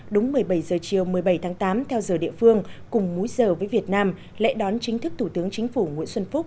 đúng một mươi bảy h chiều một mươi bảy tháng tám theo giờ địa phương cùng múi giờ với việt nam lễ đón chính thức thủ tướng chính phủ nguyễn xuân phúc